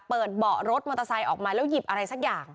เบาะรถมอเตอร์ไซค์ออกมาแล้วหยิบอะไรสักอย่าง